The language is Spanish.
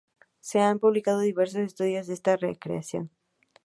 Se han publicado diversos estudios de esta reacción.